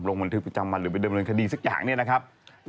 ลงบันทึกประจำมาหรือไปเดินบริเวณคดีสักอย่างเนี่ยนะครับ